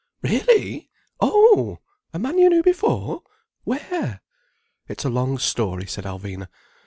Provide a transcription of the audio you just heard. "Really! Oh! A man you knew before! Where?" "It's a long story," said Alvina.